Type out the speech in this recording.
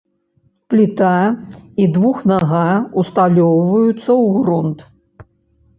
Пліта і двухнага ўсталёўваюцца ў грунт.